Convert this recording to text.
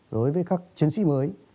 đối với các chiến sĩ mới